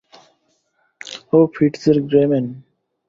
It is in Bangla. ও ফিটজের গ্রে ম্যান।